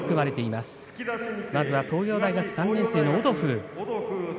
まずは東洋大学３年生のオドフー。